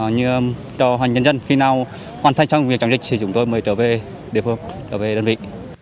như cho nhân dân khi nào hoàn thành trong việc chống dịch thì chúng tôi mới trở về địa phương trở về đơn vị